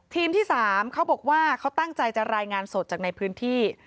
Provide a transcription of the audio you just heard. ที่๓เขาบอกว่าเขาตั้งใจจะรายงานสดจากในพื้นที่